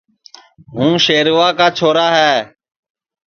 ہوں شیروا کا چھورا ہے